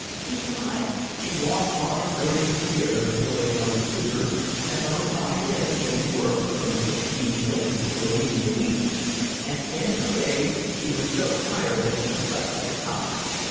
Besides, she walked on at various theatres where they wanted supers and earned by this when in work from sixteen shillings to a guinea a week. At the end of her day she was so tired that she slept like a top.